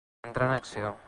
Entrar en acció.